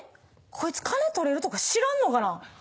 こいつ金取れるとか知らんのかな？